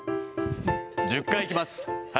１０回いきます。